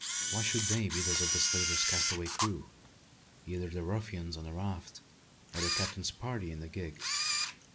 Why should they be those of the slaver's castaway crew, either the ruffians on the raft or the captain's party in the gig?